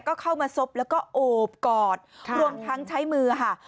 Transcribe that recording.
ก็เข้ามาซบแล้วก็โอบกอดรวมทั้งใช้มือค่ะ